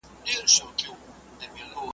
پرې به نه ږدمه چي يو سړى پر لار وي ,